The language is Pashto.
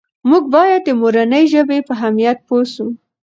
موږ باید د مورنۍ ژبې په اهمیت پوه سو.